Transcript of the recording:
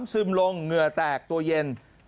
ซึมลงเหงื่อแตกตัวเย็น